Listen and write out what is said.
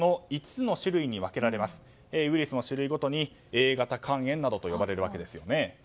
５つの種類ごとにウイルスの種類ごとにＡ型肝炎などと呼ばれるわけですよね。